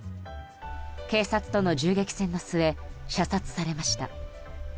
警察との銃撃戦の末射殺されました。